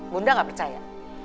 bunda gak percaya